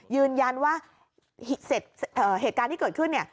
ยืนยันว่าเหตุการณ์ที่เกิดขึ้นเนี่ย